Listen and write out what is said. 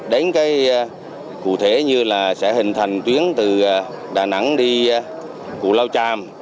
đến cái cụ thể như là sẽ hình thành tuyến từ đà nẵng đi củ lao tràm